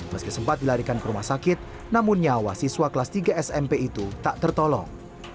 meski sempat dilarikan ke rumah sakit namun nyawa siswa kelas tiga smp itu tak tertolong